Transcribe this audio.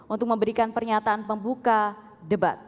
untuk memberikan pernyataan pembuka debat